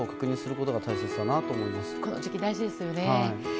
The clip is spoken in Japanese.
この時期、大事ですよね。